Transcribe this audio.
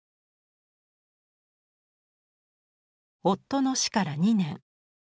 夫の死から２年